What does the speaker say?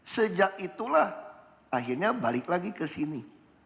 sejak itulah akhirnya balik lagi ke sini